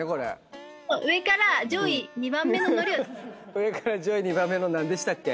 上から上位２番目の何でしたっけ？